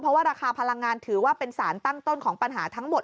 เพราะว่าราคาพลังงานถือว่าเป็นสารตั้งต้นของปัญหาทั้งหมด